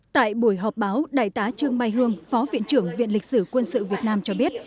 tại buổi họp báo đại tá trương mai hương phó viện trưởng viện lịch sử quân sự việt nam cho biết